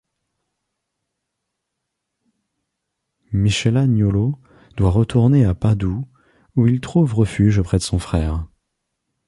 Michelagnolo doit retourner à Padoue, où il trouve refuge auprès de son frère.